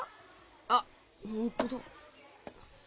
あっホントだ。